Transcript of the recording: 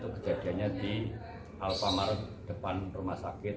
kejadiannya di alfamart depan rumah sakit